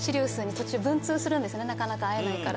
するんですねなかなか会えないから。